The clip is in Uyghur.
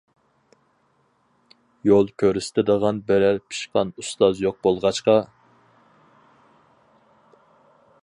يول كۆرسىتىدىغان بىرەر پىشقان ئۇستاز يوق بولغاچقا.